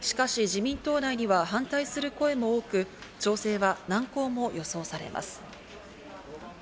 しかし、自民党内には反対する声も多く、調整は難航も予想されます。